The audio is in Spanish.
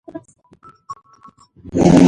Existen teorías alternativas de conjuntos, p. ej.